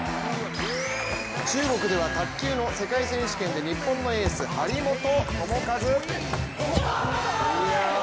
中国では、卓球の世界選手権で日本のエース、張本智和。